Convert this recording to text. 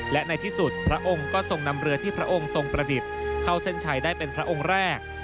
และในที่สุดพระองค์ก็ทรงนำเรือที่พระองค์ทรงประดิษฐ์เข้าเส้นชัยได้เป็นพระองค์แรก